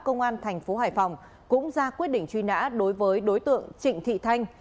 công an thành phố hải phòng cũng ra quyết định truy nã đối với đối tượng trịnh thị thanh